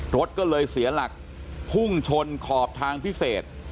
รถก็เลยเสียหลักพุ่งชนขอบทางพิเศษ